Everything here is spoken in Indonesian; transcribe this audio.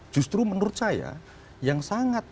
justru menurut saya yang sangat